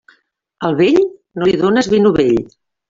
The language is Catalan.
Al vell, no li dónes vi novell.